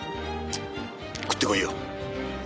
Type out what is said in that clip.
食ってこいよ。